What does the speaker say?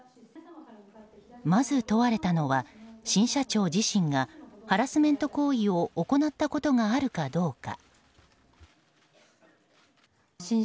まず問われたのは新社長自身がハラスメント行為を行ったことがあるかどうか。